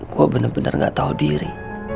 gue bener bener nggak tahu diri